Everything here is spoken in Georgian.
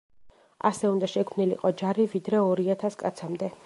ასე უნდა შექმნილიყო ჯარი „ვიდრე ორი ათას კაცამდე“.